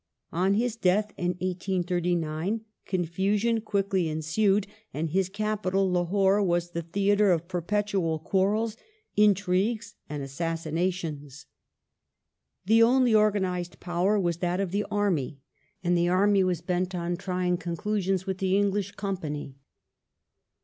On his death (1839) confusion quickly ensued, and his capital, Lahore, was the theatre of perpetual quarrels, intrigues, and assassinations. The only organized power was that of the army, and the army was bent on trying conclusions with the Eng lish Company.